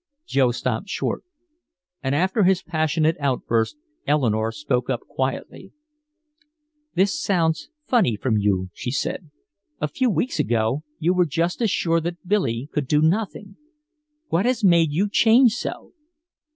Joe stopped short. And after his passionate outburst, Eleanore spoke up quietly. "This sounds funny from you," she said. "A few weeks ago you were just as sure that Billy could do nothing. What has made you change so?"